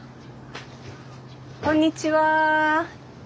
こんにちは。